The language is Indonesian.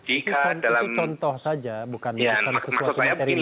itu contoh saja bukan sesuatu materi yang unggah